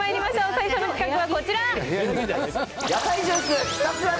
最初の企画はこちら。